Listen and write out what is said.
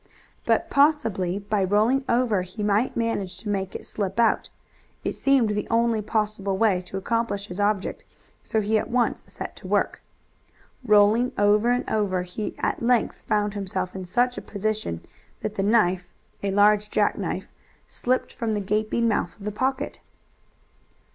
But possibly by rolling over he might manage to make it slip out. It seemed the only possible way to accomplish his object, so he at once set to work. Rolling over and over, he at length found himself in such a position that the knife a large jackknife slipped from the gaping mouth of the pocket.